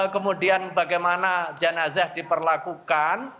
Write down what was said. kemudian bagaimana jenazah diperlakukan